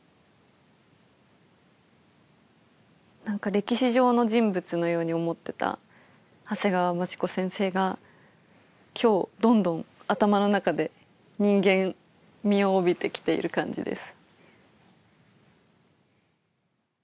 歴史上の人物のように思ってた長谷川町子先生が今日どんどん頭の中で人間味を帯びてきている感じです。